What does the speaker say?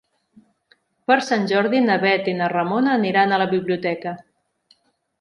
Per Sant Jordi na Bet i na Ramona aniran a la biblioteca.